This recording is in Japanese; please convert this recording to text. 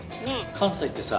関西ってさ